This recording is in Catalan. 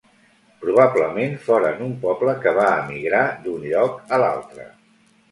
Probablement foren un poble que va emigrar d'un lloc a l'altre.